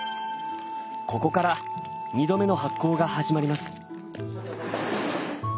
ここから二度目の発酵が始まります。